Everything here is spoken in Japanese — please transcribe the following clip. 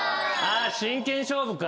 「真剣勝負」か。